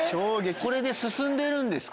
これで進んでるんですか？